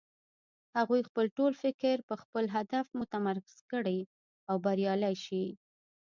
هغوی خپل ټول فکر پر خپل هدف متمرکز کړي او بريالی شي.